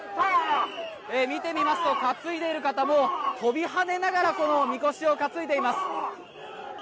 見てみますと担いでいる方も跳びはねながらこのみこしを担いでいます。